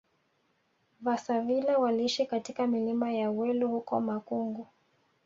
Vasavila waliishi katika milima ya Welu huko Makungu